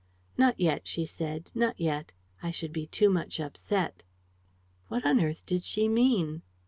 'Not yet,' she said, 'not yet. I should be too much upset.'" "What on earth did she mean?"